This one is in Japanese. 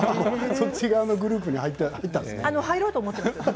そっち側のグループに入ったんですね。